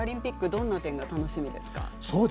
どんな点が楽しみですか？